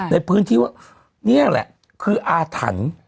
ในพื้นที่ว่านี่แหละคืออาถรรพ์